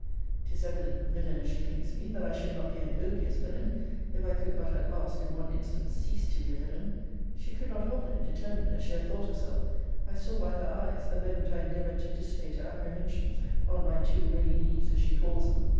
'Tis evident, villain as she thinks me, that I should not be an odious villain, if I could but at last in one instance cease to be a villain! She could not hold it, determined as she had thought herself, I saw by her eyes, the moment I endeavoured to dissipate her apprehensions, on my too ready knees, as she calls them.